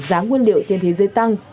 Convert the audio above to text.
giá nguyên liệu trên thế giới tăng